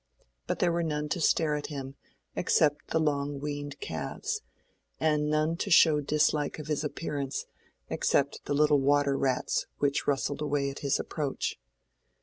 But there were none to stare at him except the long weaned calves, and none to show dislike of his appearance except the little water rats which rustled away at his approach.